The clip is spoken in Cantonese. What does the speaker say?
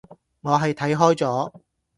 我係睇開咗